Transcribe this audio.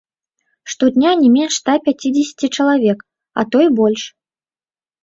Штодня не менш ста пяцідзесяці чалавек, а то й больш!